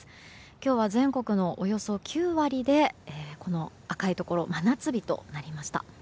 今日は全国のおよそ９割で赤いところ真夏日となりました。